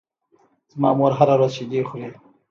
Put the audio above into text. زما مور هره ورځ شیدې خوري.